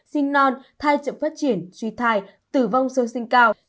sinh non thai chậm phát triển suy thai tử vong sơ sinh cao